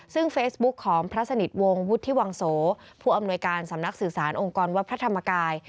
ซึ่งเฟซบุ๊คของพระสนิทวงศ์วุฒิวังโสผู้อำนวยการสำนักสื่อสารองค์กรวัดพระธรรมกาย